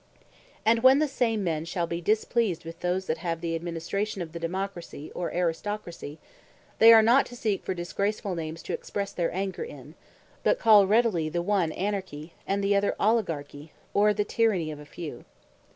And when the same men shall be displeased with those that have the administration of the Democracy, or Aristocracy, they are not to seek for disgraceful names to expresse their anger in; but call readily the one Anarchy, and the other Oligarchy, or the Tyranny Of A Few.